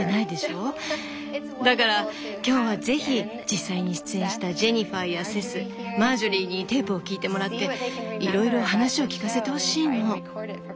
だから今日は是非実際に出演したジェニファーやセスマージョリーにテープを聞いてもらっていろいろ話を聞かせてほしいの。